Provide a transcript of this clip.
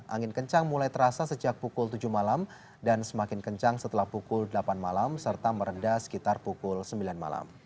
angin kencang mulai terasa sejak pukul tujuh malam dan semakin kencang setelah pukul delapan malam serta merendah sekitar pukul sembilan malam